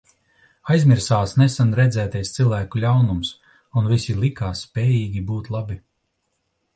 Aizmirsās nesen redzētais cilvēku ļaunums, un visi likās spējīgi būt labi.